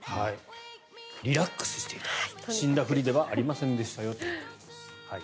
リラックスしている死んだふりではありませんよということです。